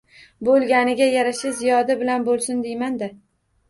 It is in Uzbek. Bo`lganiga yarasha ziyodi bilan bo`lsin, deyman-da